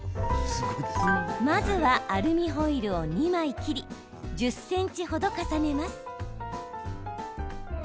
まずはアルミホイルを２枚切り１０ｃｍ程、重ねます。